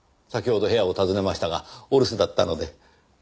先ほど部屋を訪ねましたがお留守だったので。